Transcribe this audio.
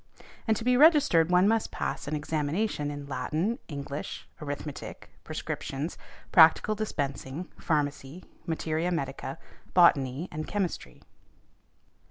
And to be registered one must pass an examination in Latin, English, arithmetic, prescriptions, practical dispensing, pharmacy, materia medica, botany and chemistry.